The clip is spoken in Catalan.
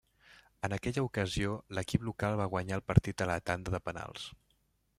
En aquella ocasió, l'equip local va guanyar el partit a la tanda de penals.